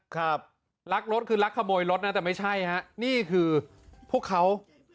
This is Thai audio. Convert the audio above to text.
ครับรักรถคือลักขโมยรถนะแต่ไม่ใช่ฮะนี่คือพวกเขา